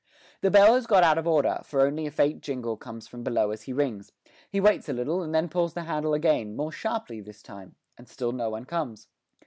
The bell has got out of order, for only a faint jangle comes from below as he rings; he waits a little and then pulls the handle again, more sharply this time, and still no one comes.